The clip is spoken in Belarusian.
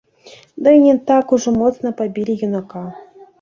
Ды і не так ужо моцна пабілі юнака.